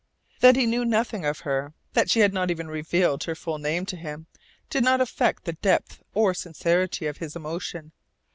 That he knew nothing of her, that she had not even revealed her full name to him, did not affect the depth or sincerity of his emotion.